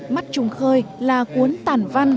mắt trùng khơi là cuốn tản văn